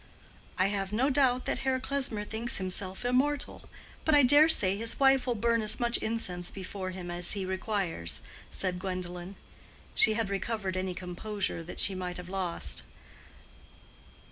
"I have no doubt that Herr Klesmer thinks himself immortal. But I dare say his wife will burn as much incense before him as he requires," said Gwendolen. She had recovered any composure that she might have lost.